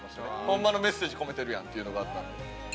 ホンマのメッセージ込めてるやんっていうのがあったので。